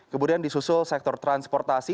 kemudian disusul sektor transportasi